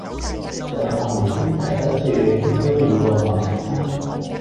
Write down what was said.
兩岸猿聲啼不住，輕舟已過萬重山。